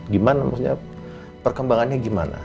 gimana maksudnya perkembangannya gimana